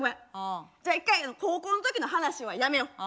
じゃあ一回高校の時の話はやめよう。